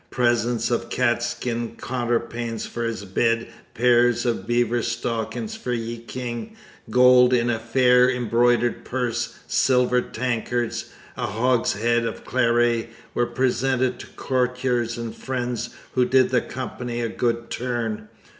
Presents of 'catt skin counterpanes for his bedd,' 'pairs of beaver stockings for ye King.' 'gold in a faire embroidered purse,' 'silver tankards,' 'a hogshead of claret,' were presented to courtiers and friends who did the Company a good turn.